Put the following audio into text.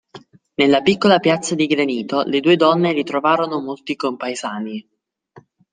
Nella piccola piazza di granito le due donne ritrovarono molti compaesani.